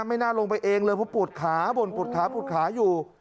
ไม่น่าลงไปเองเลยเพราะปวดขาบ่นปวดขาปวดขาอยู่